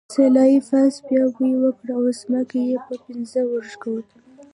سلای فاکس بیا بوی وکړ او ځمکه یې په پنجو وښکوله